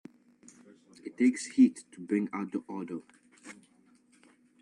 It takes heat to bring out the odor.